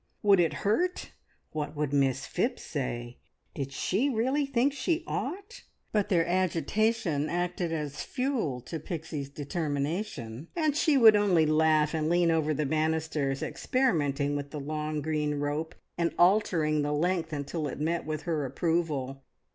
Would it hurt? What would Miss Phipps say? Did she really think she ought? But their agitation acted as fuel to Pixie's determination, and she would only laugh and lean over the banisters, experimenting with the long green rope, and altering the length until it met with her approval.